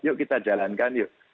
yuk kita jalankan yuk